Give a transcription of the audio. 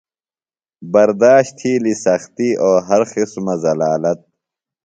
برداشت تھیلیۡ سختیۡ او ہر قسمہ ذلالت۔